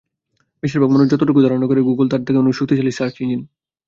বেশির ভাগ মানুষ যতটুকু ধারণা করে, গুগল তার থেকেও অনেক শক্তিশালী সার্চ ইঞ্জিন।